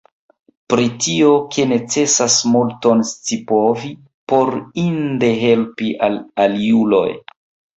Pri tio, ke necesas multon scipovi, por inde helpi al aliuloj.